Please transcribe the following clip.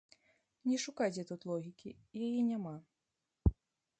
Не шукайце тут логікі, яе няма.